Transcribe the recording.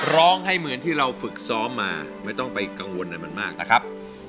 ร้องให้เหมือนที่เราฝึกซ้อมมาไม่ต้องไปกังวลอะไรมันมากนะครับ